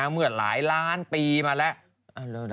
เมื่อหลายล้านปีมาแล้ว